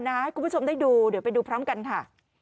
ให้คุณผู้ชมได้ดูเดี๋ยวไปดูพร้อมกันค่ะ